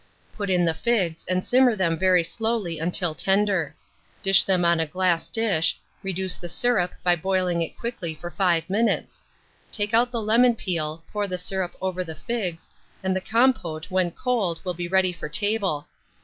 Put in the figs, and simmer them very slowly until tender; dish them on a glass dish; reduce the syrup by boiling it quickly for 5 minutes; take out the lemon peel, pour the syrup over the figs, and the compote, when cold, will be ready for table.